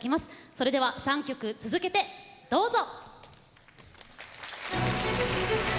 それでは、３曲続けてどうぞ。